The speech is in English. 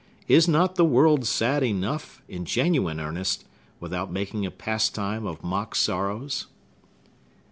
Is not the world sad enough, in genuine earnest, without making a pastime of mock sorrows?